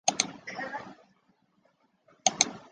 圣约尔因出产矿泉水而闻名。